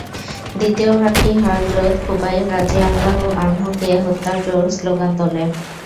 দ্বিতীয় ভাগটি হযরত খুবাইব রাযিয়াল্লাহু আনহু-কে হত্যার জোর শ্লোগান তোলে।